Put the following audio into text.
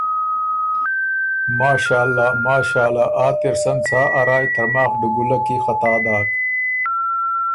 ماشأالله، ماشأالله، آ تِر سن څا ا رایٛ ترماخ ډُوګُوله کی خطا داک؟